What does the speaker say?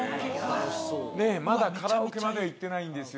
まだカラオケまでは行ってないんですよ。